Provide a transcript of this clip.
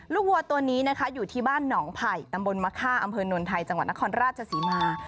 ลูกวัวตัวนี้อยู่ที่บ้านหนองไผ่ตำบลมะค่าอำเภอนนทัยจังหวัดนครราชสิมา